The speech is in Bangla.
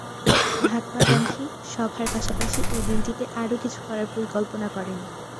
মহাত্মা গান্ধী সভার পাশাপাশি এই দিনটিতে আরও কিছু করার পরিকল্পনা করেন।